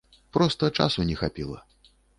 Проста часу не хапіла.